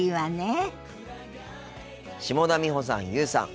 下田美穂さん優羽さん